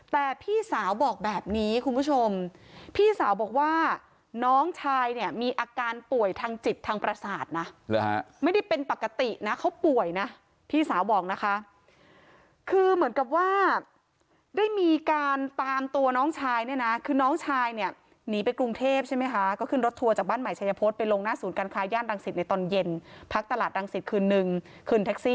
แต่พี่สาวบอกแบบนี้คุณผู้ชมพี่สาวบอกว่าน้องชายเนี่ยมีอาการป่วยทางจิตทางประสาทนะไม่ได้เป็นปกตินะเขาป่วยนะพี่สาวบอกนะคะคือเหมือนกับว่าได้มีการตามตัวน้องชายเนี่ยนะคือน้องชายเนี่ยหนีไปกรุงเทพใช่ไหมคะก็ขึ้นรถทัวร์จากบ้านใหม่ชัยพศไปลงหน้าศูนย์การค้าย่านรังสิตในตอนเย็นพักตลาดรังสิตคืนนึงขึ้นแท็กซี่